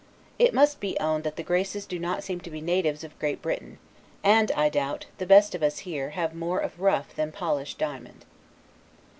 It must be owned, that the Graces do not seem to be natives of Great Britain; and, I doubt, the best of us here have more of rough than polished diamond.